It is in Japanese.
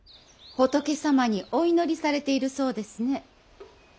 仏様にお祈りされているそうですね。